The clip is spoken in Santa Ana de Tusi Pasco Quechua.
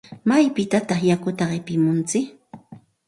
¿Maypitataq yakuta qipimuntsik?